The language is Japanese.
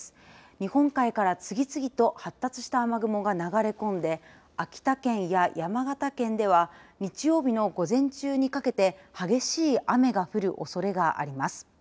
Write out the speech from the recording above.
日本海から次々と発達した雨雲が流れ込んで秋田県や山形県では日曜日の午前中にかけて激しい雨が降るおそれがあります。